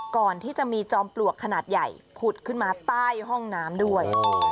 ก่อนที่จะมีจอมปลวกขนาดใหญ่ผุดขึ้นมาใต้ห้องน้ำด้วย